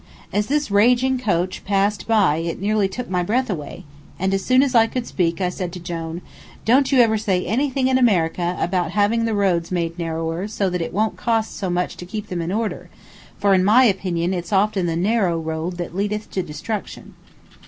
As this raging coach passed by it nearly took my breath away, and as soon as I could speak I said to Jone: "Don't you ever say anything in America about having the roads made narrower so that it won't cost so much to keep them in order, for in my opinion it's often the narrow road that leadeth to destruction."